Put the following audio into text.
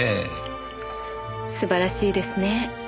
素晴らしいですね。